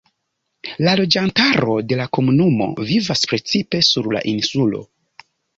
La loĝantaro de la komunumo vivas precipe sur la insulo.